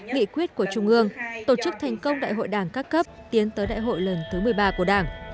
nghị quyết của trung ương tổ chức thành công đại hội đảng các cấp tiến tới đại hội lần thứ một mươi ba của đảng